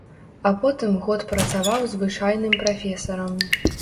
А потым год працаваў звычайным прафесарам.